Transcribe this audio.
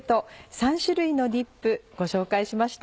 ３種類のディップご紹介しました。